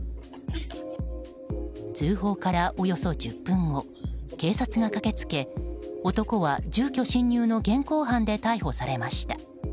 通報からおよそ１０分後警察が駆けつけ男は住居侵入の現行犯で逮捕されました。